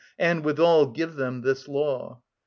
And withal Give them this law.